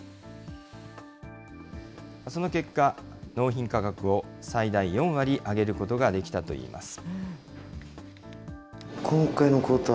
その結果、納品価格を最大４割上げることができたといいます。